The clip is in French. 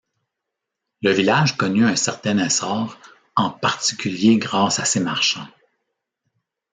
Le village connut un certain essor, en particulier grâce à ses marchands.